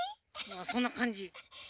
そんなかんじ。